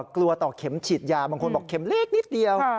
ต่อเข็มฉีดยาบางคนบอกเข็มเล็กนิดเดียว